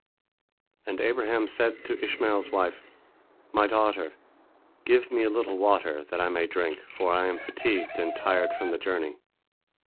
And Abraham said to Ishmael's wife, "My daughter, give me a little water, that I may drink, for I am fatigued and tired from the journey."